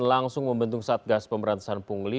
langsung membentuk satgas pemberantasan pungli